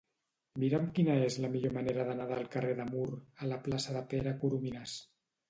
Mira'm quina és la millor manera d'anar del carrer de Mur a la plaça de Pere Coromines.